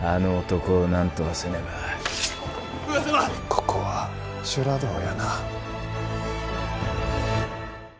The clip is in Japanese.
ここは修羅道やな。